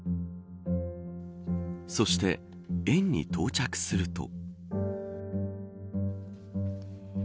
そして、園に到着すると。